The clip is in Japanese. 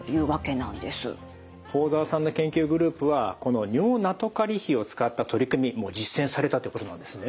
寳澤さんの研究グループはこの尿ナトカリ比を使った取り組み実践されたということなんですね。